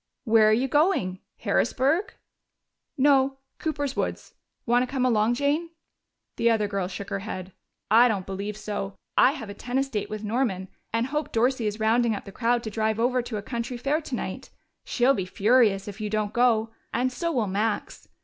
"Where are you going? Harrisburg?" "No. Cooper's woods. Want to come along, Jane?" The other girl shook her head. "I don't believe so. I have a tennis date with Norman, and Hope Dorsey is rounding up the crowd to drive over to a country fair tonight. She'll be furious if you don't go and so will Max.